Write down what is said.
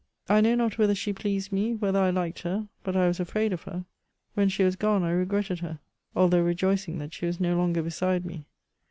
I know not whether she pleased me, whether I liked her, but I was a&aid of her. When she was gone I regretted her, although re joicing that she was no longer beside me.